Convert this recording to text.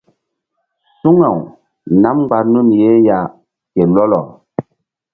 Suŋaw nam mgba nun ye ya ke lɔlɔ.